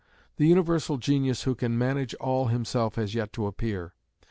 The universal genius who can manage all himself has yet to appear.